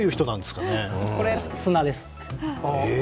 これ、砂です。